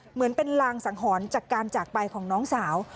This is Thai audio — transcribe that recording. เหมือนเป็นรางสังหรณ์จากการจากไปของน้องสาว